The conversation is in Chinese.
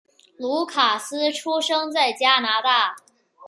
卢卡斯出生在加拿大。